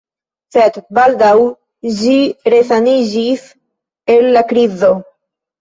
Sed baldaŭ ĝi resaniĝis el la krizo.